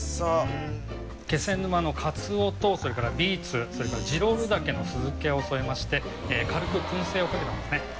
気仙沼のカツオとそれからビーツそれからジロール茸の酢漬けを添えまして軽く燻製をかけたものですね